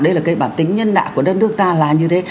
đây là cái bản tính nhân nạ của đất nước ta là như thế